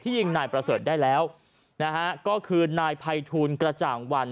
ยิงนายประเสริฐได้แล้วนะฮะก็คือนายภัยทูลกระจ่างวัน